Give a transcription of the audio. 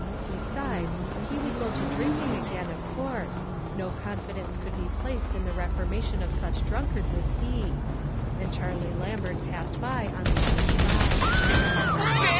Besides, he would go to drinkiug again, of course ; no confidence could be placed in the reformation of such drunkards as he. And Charlie Lambert passed by on the other side.